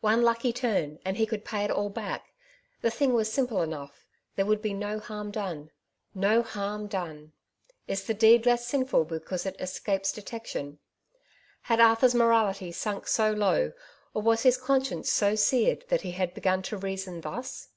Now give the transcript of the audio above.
One lucky turn, and he could pay it all back; the thing was simple enough; there would be no harm done. No harm done ! Is' the deed less sinful because it escapes detection ? Had Arthur's morality sunk so low, or was his conscience so seared that he had begun to reason thus